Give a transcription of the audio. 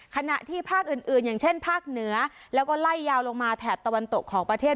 ขณะที่ภาคอื่นอย่างเช่นภาคเหนือแล้วก็ไล่ยาวลงมาแถบตะวันตกของประเทศ